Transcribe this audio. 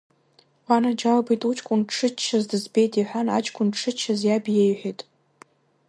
Уанаџьалбеит, уҷкәын дшыччаз дызбеит иҳәан аҷкәын дшыччаз иаб иеиҳәеит.